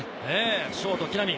ショート・木浪。